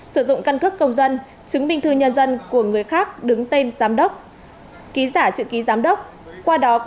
sử dụng căn cước công dân chứng minh thư nhân dân của người khác đứng tên giám đốc